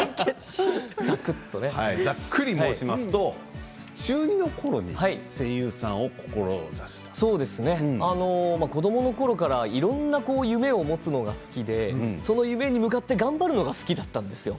ざっくり申しますと中２のころに子どものころからいろんな夢を持つのが好きでその夢に向かって頑張るのが好きだったんです。